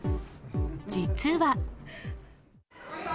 実は。